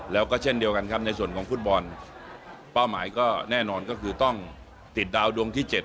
แล้วก็เช่นเดียวกันครับในส่วนของฟุตบอลเป้าหมายก็แน่นอนก็คือต้องติดดาวดวงที่๗